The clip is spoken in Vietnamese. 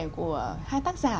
của hai tác giả